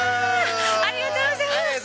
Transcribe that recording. ありがとうございます。